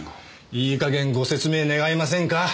いい加減ご説明願えませんか？